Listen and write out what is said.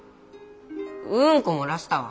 うんこ漏らしたわ。